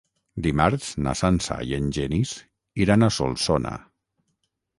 Dimarts na Sança i en Genís iran a Solsona.